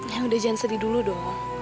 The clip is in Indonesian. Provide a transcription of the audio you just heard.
ya udah jangan sedih dulu dong